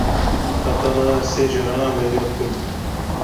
Heta niha ez sê caran emeliyat bûm.